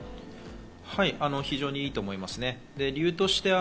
非常にいいと思います。